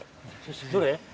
どれ？